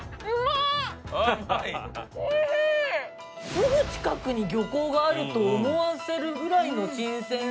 すぐ近くに漁港があると思わせるぐらいの新鮮で。